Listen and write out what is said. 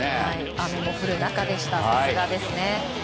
雨の降る中でしたがさすがですね。